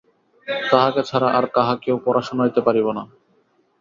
তাঁহাকে ছাড়া আর কাহাকেও পড়া শুনাইতে পারিব না।